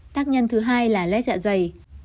tác nhân thứ hai là lết dạ dày